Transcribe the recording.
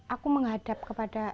aku menghadap kepada